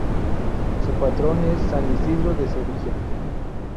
Su patrón es San Isidoro de Sevilla.